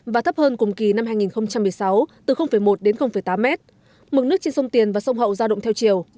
và thấp hơn cùng kỳ năm hai nghìn một mươi sáu từ một đến tám mét mực nước trên sông tiền và sông hậu giao động theo chiều